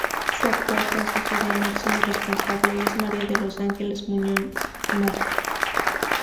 Su actual consejera y máximo responsable es María de los Ángeles Muñoz Marcos.